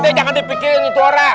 deh jangan dipikirin itu orang